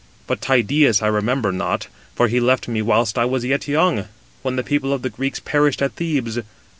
But Tydeus I remember not, for he left me whilst I was yet young, when the people of the Greeks perished at Thebes.